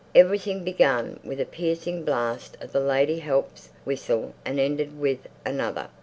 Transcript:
Everything began with a piercing blast of the lady help's whistle and ended with another.